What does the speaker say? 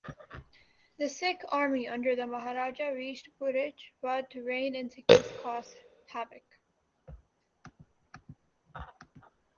The Sikh army under the Maharaja reached Purichh but rain and sickness caused havoc.